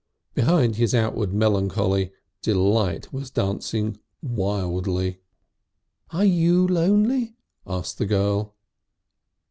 Behind his outward melancholy, delight was dancing wildly. "Are you lonely?" asked the girl.